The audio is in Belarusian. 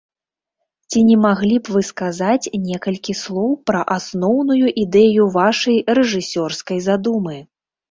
Ці не маглі б вы сказаць некалькі слоў пра асноўную ідэю вашай рэжысёрскай задумы?